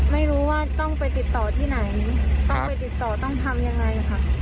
ไม่รู้ว่าต้องไปติดต่อที่ไหนต้องไปติดต่อต้องทำยังไงค่ะ